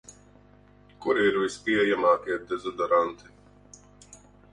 Kuri ir vispieejamākie dezodoranti?